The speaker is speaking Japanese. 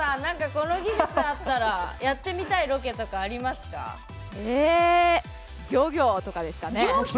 この技術あったらやってみたいロケとか漁業とかですかね。